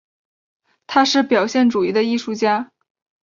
他是表现主义的艺术家。